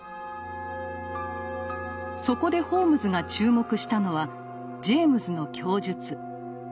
そこでホームズが注目したのはジェイムズの供述。